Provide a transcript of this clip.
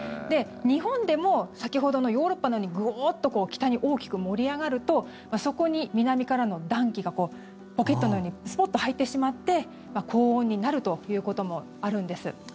日本でも先ほどのヨーロッパのようにグオーッと北に大きく盛り上がるとそこに南からの暖気がポケットのようにスポッと入ってしまって高温になるということもあるんです。